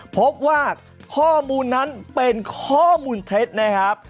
พบว่าข้อมูลนั้นเป็นข้อมูลเท็จนะครับ